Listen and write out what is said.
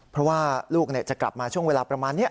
เพราะว่าลูกจะกลับมาช่วงเวลาประมาณนี้